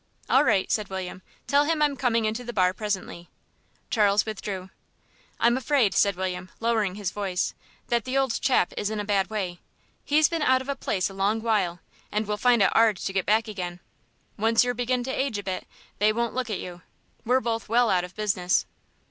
"All right," said William. "Tell him I'm coming into the bar presently." Charles withdrew. "I'm afraid," said William, lowering his voice, "that the old chap is in a bad way. He's been out of a place a long while, and will find it 'ard to get back again. Once yer begin to age a bit, they won't look at you. We're both well out of business."